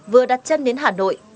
vừa đặt chân đến hà nội